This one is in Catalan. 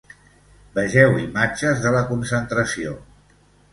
Vegeu imatges de la concentració.